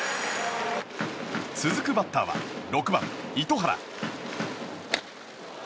続くバッターは６番、糸原。